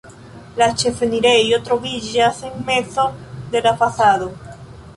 La ĉefenirejo troviĝas en mezo de la fasado.